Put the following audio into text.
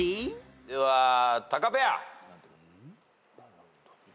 ではタカペア。